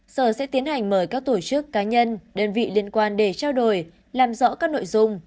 sở sẽ tiến hành mời các tổ chức cá nhân đơn vị liên quan để trao đổi làm rõ các nội dung